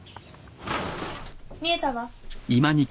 みえたわ。